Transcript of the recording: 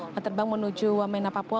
menerbang menuju wamena papua